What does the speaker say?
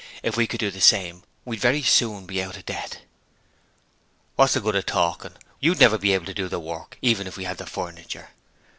If we could do the same we'd very soon be out of debt.' 'What's the good of talking? You'd never be able to do the work even if we had the furniture.'